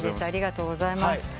ありがとうございます。